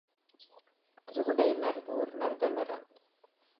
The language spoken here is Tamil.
திருவிடை மருதூர் மருதமரம்.